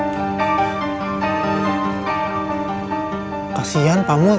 kekasihannya kang mul